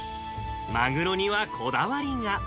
マグロにはこだわりが。